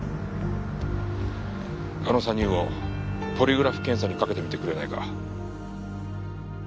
あの３人をポリグラフ検査にかけてみてくれないか？